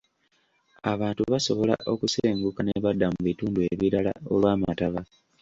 Abantu basobola okusenguka ne badda mu bitundu ebirala olw'amataba.